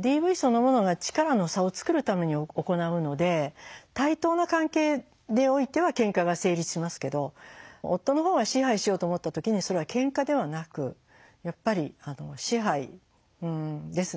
ＤＶそのものが力の差を作るために行うので対等な関係においてはケンカが成立しますけど夫のほうが支配しようと思った時にそれはケンカではなくやっぱり支配ですね。